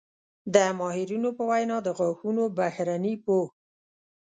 د ماهرینو په وینا د غاښونو بهرني پوښ